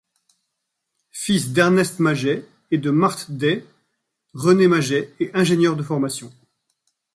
Fils d'Ernest Maget et de Marthe Day, René Maget est ingénieur de formation.